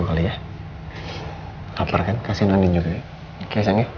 saya akan memberikan nyawa pelancongan